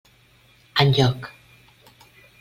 Enlloc.